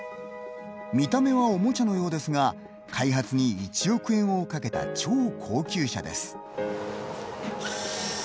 見た目はおもちゃのようですが開発に１億円をかけた超高級車です。